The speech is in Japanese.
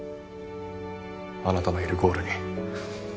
あなたのいるゴールに。